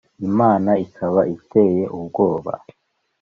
imana ikaba iteye ubwoba.